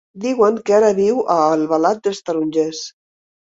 Diuen que ara viu a Albalat dels Tarongers.